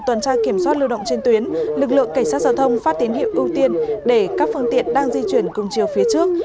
tuần tra kiểm soát lưu động trên tuyến lực lượng cảnh sát giao thông phát tín hiệu ưu tiên để các phương tiện đang di chuyển cùng chiều phía trước